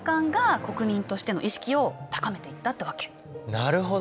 なるほど。